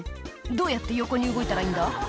「どうやって横に動いたらいいんだ？」